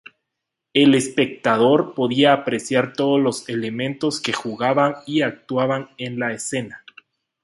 El espectador podía apreciar todos los elementos que jugaban y actuaban en la escena.